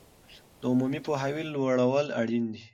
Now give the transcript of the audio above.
د عمومي پوهاوي لوړول اړین دي.